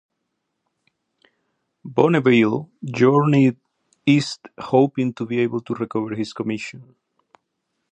Bonneville journeyed east hoping to be able to recover his commission.